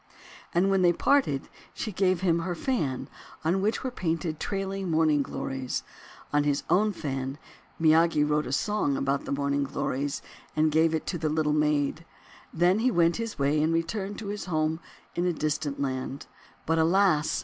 And wrhen they parted she gave him her fan, on which were painted trailing Morning Glories . On his own fan Miyagi wrote a song about the Morning Glories, and gave it to the Little Maid; then he went his way and returned to his home in a distant land. But alas!